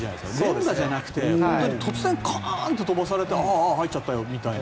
連打じゃなくて突然、カーンと飛ばされてあーあ入っちゃったよみたいな。